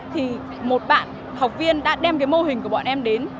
thì một bạn học viên đã đem cái mô hình của bọn em đến